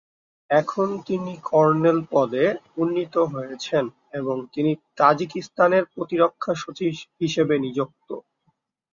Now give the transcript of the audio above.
এখন তিনি কর্নেল পদে উন্নীত হয়েছেন এবং তিনি তাজিকিস্তানের প্রতিরক্ষা সচিব হিসেবে নিযুক্ত।